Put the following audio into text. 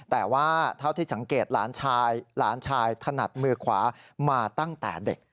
แต่ว่าเท่าที่สังเกตหลานชายหลานชายถนัดมือขวามาตั้งแต่เด็ก